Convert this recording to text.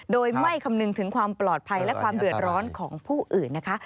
โดยไม่คำนึงถึงความปลอดภัยและความเดือดร้อนของผู้อื่นนะคะ